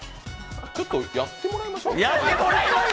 ちょっとやってもらいましょう。